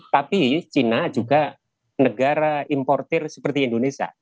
tapi china juga negara importer seperti indonesia